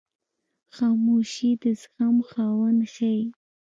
خاموشي، د زغم خاوند ښیي.